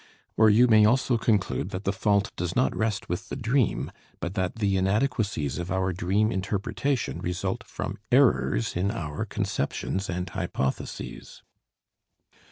Or you may also conclude that the fault does not rest with the dream but that the inadequacies of our dream interpretation result from errors in our conceptions and hypotheses.